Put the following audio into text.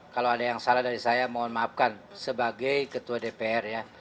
kalau ada yang salah dari saya mohon maafkan sebagai ketua dpr ya